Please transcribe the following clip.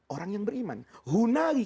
orang yang beriman